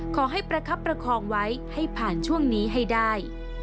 ขอให้ประคับประคองไว้ให้ผ่านช่วงนี้ให้ได้